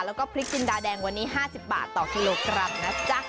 แล้วก็พริกจินดาแดงวันนี้๕๐บาทต่อกิโลกรัมนะจ๊ะ